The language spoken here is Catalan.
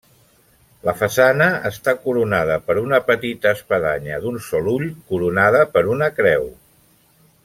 La façana està coronada per una petita espadanya d'un sol ull coronada per una creu.